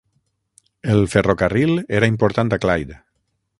El ferrocarril era important a Clyde.